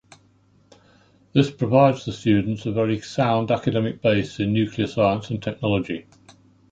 This provides the students a very sound academic base in nuclear science and technology.